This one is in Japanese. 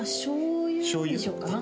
しょうゆにしようかな。